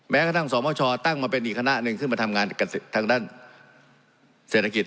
แม้กระทั่งสมชตั้งมาเป็นอีกคณะหนึ่งขึ้นมาทำงานทางด้านเศรษฐกิจ